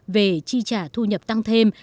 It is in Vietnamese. về chi trả thu nhập tăng thêm